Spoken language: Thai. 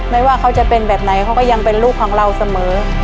ไม่ว่าเขาจะเป็นแบบไหนเขาก็ยังเป็นลูกของเราเสมอ